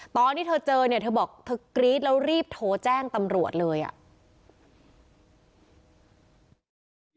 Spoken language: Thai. ตอนที่เธอเจอเนี่ยเธอบอกเธอกรี๊ดแล้วรีบโทรแจ้งตำรวจเลยอ่ะ